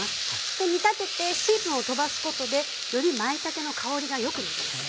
で煮たてて水分を飛ばすことでよりまいたけの香りが良くなります。